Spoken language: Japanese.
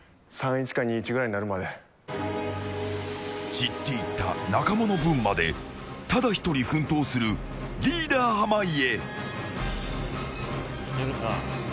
散っていった仲間の分までただ１人、奮闘するリーダー濱家。